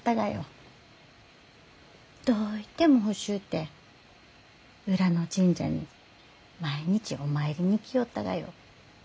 どういても欲しゅうて裏の神社に毎日お参りに行きよったがよ。